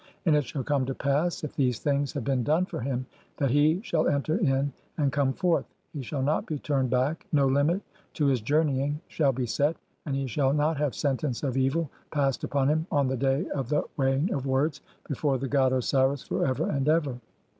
AND IT SHALL COME TO PASS, IF THESE THINGS HAVE BEEN DONE FOR HIM, THAT HE SHALL ENTER IN AND COME FORTH, (35) HE SHALL NOT BE TURNED BACK, NO LIMIT [TO HIS JOURNEYING] SHALL BE SET, AND HE SHALL NOT HAVE SENTENCE OF EVIL PASSED UPON HIM ON THE DAY OF THE WEIGHING OF WORDS BEFORE THE GOD OSIRIS FOR EVER AND EVER.